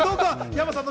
山さんの。